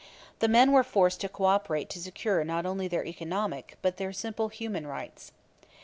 The men were forced to cooperate to secure not only their economic, but their simple human rights.